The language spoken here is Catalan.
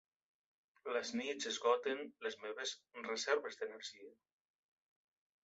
Les nits esgoten les meves reserves d'energia.